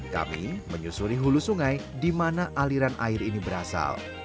kami menyusuri hulu sungai di mana aliran air ini berasal